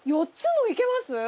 ４つもいけます？